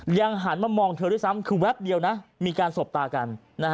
หันมามองเธอด้วยซ้ำคือแวบเดียวนะมีการสบตากัน